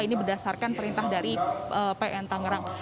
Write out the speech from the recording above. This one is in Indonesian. ini berdasarkan perintah dari pn tangerang